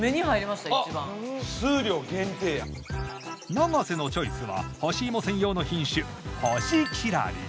永瀬のチョイスは干し芋専用の品種星きらり。